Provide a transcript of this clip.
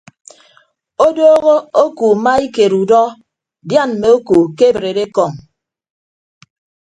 Odooho oku maikeed udọ dian mme oku kebreed ekọñ.